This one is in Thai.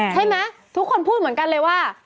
ใช่ไหมทุกคนพูดเหมือนกันเลยว่า